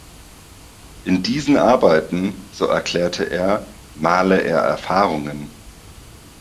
In diesen Arbeiten, so erklärte er „male er Erfahrungen“.